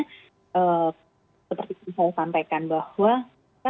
seperti yang saya sampaikan bahwa